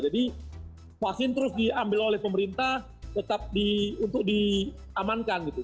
jadi vaksin terus diambil oleh pemerintah tetap untuk diamankan gitu